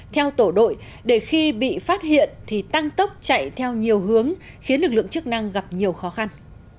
theo tổ đội để khi bị phát hiện thì tăng tốc chạy theo nhiều hướng khiến lực lượng chức năng gặp nhiều khó khăn